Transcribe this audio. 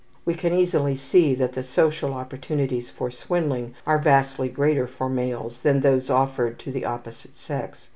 We can easily see that the social opportunities for swindling are vastly greater for males than those offered to the opposite sex.